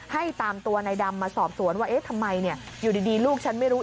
ให้ตามตัวในดำมาสอบสวนว่าเอ๊ะทำไมอยู่ดีลูกฉันไม่รู้